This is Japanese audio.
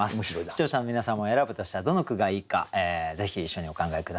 視聴者の皆さんも選ぶとしたらどの句がいいかぜひ一緒にお考え下さい。